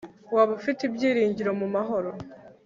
waba ufite ibyiringiro mu mahoro